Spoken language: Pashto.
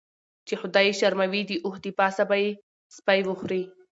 چی خدای یی شرموي داوښ دپاسه به یی سپی وخوري .